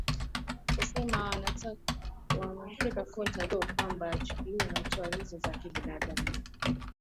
esema wanatakiwa wamwarifu conta doo kwamba atachukuliwa hatua hizo za kinidhamu